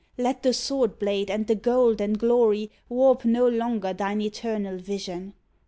Let the sword blade and the gold and glory Warp no longer thine eternal vision.